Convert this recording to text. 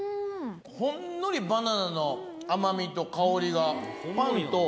ほんのりバナナの甘みと香りが。